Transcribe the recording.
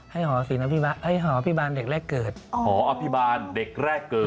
หอศิลปะให้หอภิบาลเด็กแรกเกิดหออภิบาลเด็กแรกเกิด